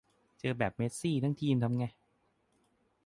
เจอแบบเมสซีทั้งทีมทำไง